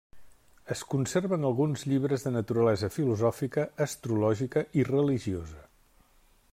Es conserven alguns llibres de naturalesa filosòfica, astrològica i religiosa.